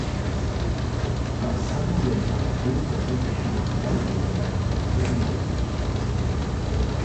La façana orientada al riu presenta finestrals allargats als tres nivells.